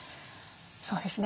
そうですね。